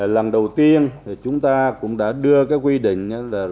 lần đầu tiên chúng ta cũng đã đưa cái quy định